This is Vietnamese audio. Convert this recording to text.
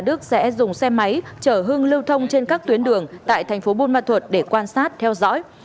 đức sẽ dùng xe máy chở hưng lưu thông trên các tuyến đường tại thành phố buôn ma thuột để quan sát theo dõi